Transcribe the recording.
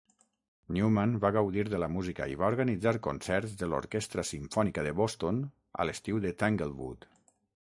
Newman va gaudir de la música i va organitzar concerts de l'Orquestra simfònica de Boston a l'estiu de Tanglewood.